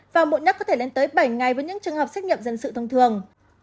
và muộn nhất có thể lên tới bảy ngày với những trường hợp xét nghiệm dân sự thông thường